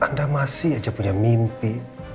anda masih aja punya mimpi